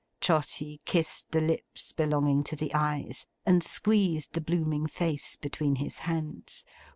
Trotty kissed the lips belonging to the eyes, and squeezed the blooming face between his hands.